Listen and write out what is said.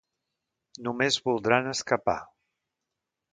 Només voldran escapar.